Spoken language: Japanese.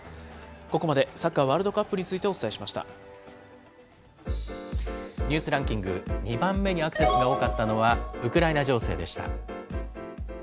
ここまでサッカーワールドカップニュースランキング、２番目にアクセスが多かったのは、ウクライナ情勢でした。